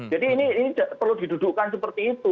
jadi ini perlu didudukkan seperti itu